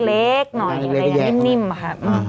เล็กหน่อยอะไรอย่างนี้นิ่มค่ะ